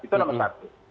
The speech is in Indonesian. itu nomor satu